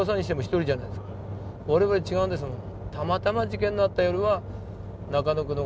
我々違うんですもん。